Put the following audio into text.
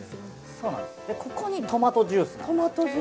ここにトマトジュースなんです。